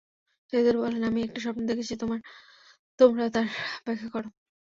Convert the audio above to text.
সাথীদের বললেন, আমি একটি স্বপ্ন দেখেছি তোমরা তার ব্যাখ্যা কর।